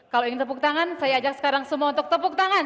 kalau ingin tepuk tangan saya ajak sekarang semua untuk tepuk tangan